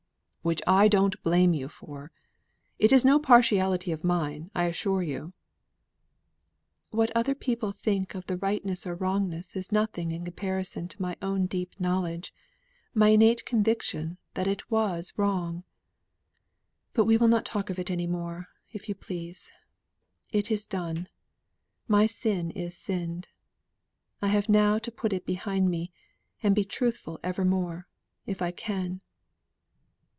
"Which I don't blame you for. It is no partiality of mine, I assure you." "What other people may think of the rightness or wrongness is nothing in comparison to my own deep knowledge, my innate conviction that it was wrong. But we will not talk of that any more, if you please. It is done my sin is sinned. I have now to put it behind me, and be truthful for evermore, if I can."